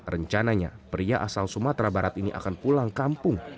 rencananya pria asal sumatera barat ini akan pulang kampung